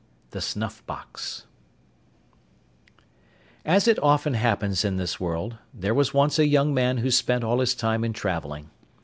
THE SNUFF BOX As often happens in this world, there was once a young man who spent all his time in travelling.